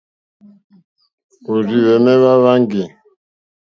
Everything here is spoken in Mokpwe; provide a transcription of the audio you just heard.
Òrzìhwɛ̀mɛ́́ hwá hwáŋɡè.